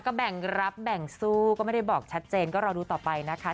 ก็แบ่งรับแบ่งสู้ก็ไม่ได้บอกชัดเจนก็รอดูต่อไปนะคะ